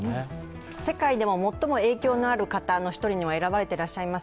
世界でも最も影響のある方の１人にも選ばれていらっしゃいます。